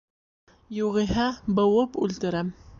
Юғиһә, быуып үлтерәм!